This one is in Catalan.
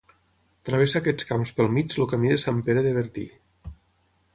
Travessa aquests camps pel mig el Camí de Sant Pere de Bertí.